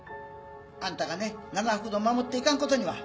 あんたがねななふく堂を守っていかんことには。